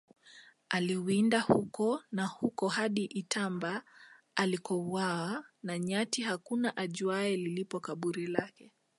aliwinda huko na huko hadi itamba alikouawa na nyati Hakuna ajuaye lilipo kaburi lake